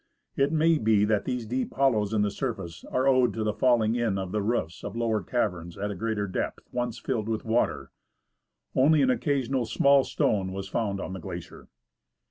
It may be that these deep hollows in the surface are owed to the falling in of the roofs of lower caverns at a greater depth, once filled with water. Only an occasional small stone was found on the glacier.